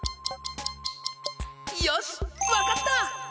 よしわかった！